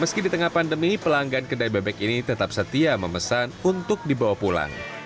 meski di tengah pandemi pelanggan kedai bebek ini tetap setia memesan untuk dibawa pulang